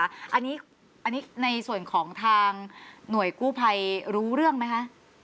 อันนี้ในส่วนของทางหน่วยกู้ภัยรู้เรื่องไหมคะ